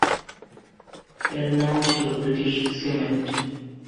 এর নাম ছিল ব্রিটিশ সিমেন্ট।